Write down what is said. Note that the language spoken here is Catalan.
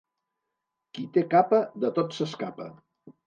Qui té capa de tot s'escapa.